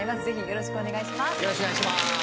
よろしくお願いします。